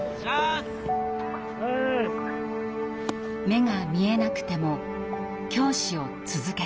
目が見えなくても教師を続けたい。